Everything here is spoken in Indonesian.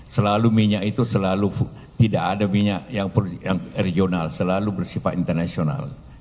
selalu minyak itu selalu tidak ada minyak yang regional selalu bersifat internasional